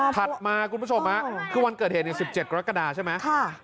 ถัดมาคือวันเกิดเหตุใน๑๗กรกฎาใช่ไหม